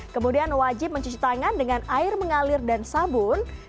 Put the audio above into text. kemudian wajib mencuci tangan dengan air mengalir dan sabun